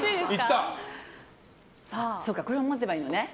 これを持てばいいのね。